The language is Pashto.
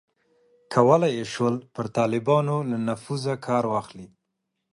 کولای یې شول پر طالبانو له نفوذه کار واخلي.